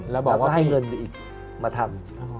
แล้วก็ให้เงินอีกมาทำ